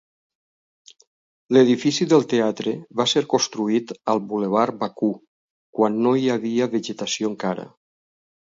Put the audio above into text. L'edifici del teatre va ser construït al Bulevard Bakú, quan no hi havia vegetació encara.